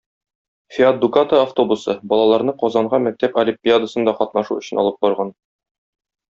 "Фиат Дукато" автобусы балаларны Казанга мәктәп олимпиадасында катнашу өчен алып барган.